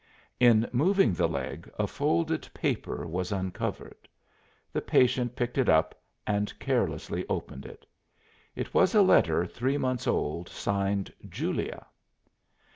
In moving the leg a folded paper was uncovered. The patient picked it up and carelessly opened it. It was a letter three months old, signed "Julia."